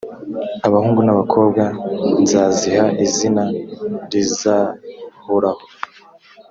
abahungu n abakobwa nzaziha izina rizahoraho